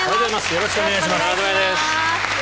よろしくお願いします。